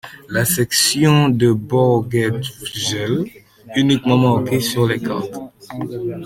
La section de Børgefjell est uniquement marquée sur les cartes.